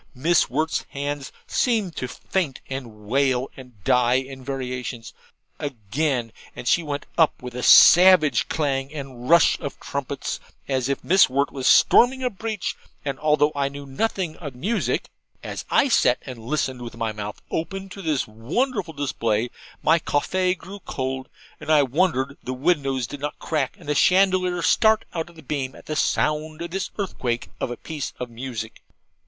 Miss Wirt's hands seemed to faint and wail and die in variations: again, and she went up with a savage clang and rush of trumpets, as if Miss Wirt was storming a breach; and although I knew nothing of music, as I sat and listened with my mouth open to this wonderful display, my CAFFY grew cold, and I wondered the windows did not crack and the chandelier start out of the beam at the sound of this earthquake of a piece of music.